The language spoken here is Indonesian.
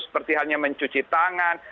seperti halnya mencuci tangan